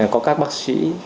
có các bác sĩ